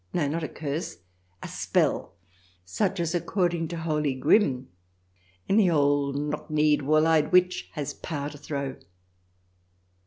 No, not a curse ; a spell such as, according to holy Grimm, any old knock kneed, wall eyed witch has power to throw.